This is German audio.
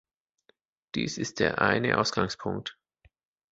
Dies ist der eine Ausgangspunkt.